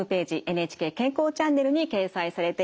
「ＮＨＫ健康チャンネル」に掲載されています。